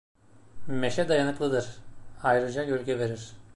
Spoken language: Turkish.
Meşe dayanıklıdır, ayrıca gölge verir.